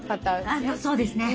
ああそうですね。